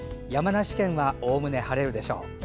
山梨県はおおむね晴れるでしょう。